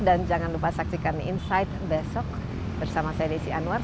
dan jangan lupa saksikan insight besok bersama saya desi anwar